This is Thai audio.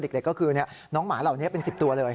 เด็กก็คือน้องหมาเหล่านี้เป็น๑๐ตัวเลย